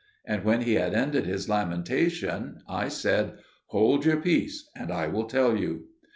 And when he had ended his lamentation I said, "Hold your peace and I will tell you."